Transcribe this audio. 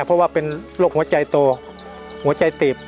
เพราะว่าเป็นโรคหัวใจโตหัวใจตีบ